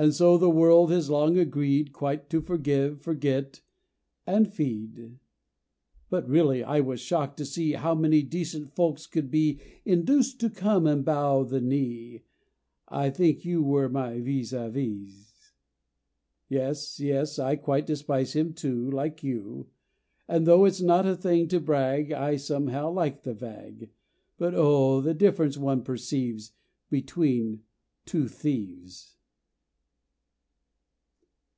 And so the world has long agreed Quite to forgive, forget and feed. But really I was shocked to see How many decent folks could be Induced to come and bow the knee; I think you were my vis a vis. Yes, yes, I quite despise him, too, Like you; And (though it's not a thing to brag) I somehow like the vag. But, oh, the difference one perceives Between two thieves!